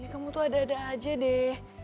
kamu tuh ada ada aja deh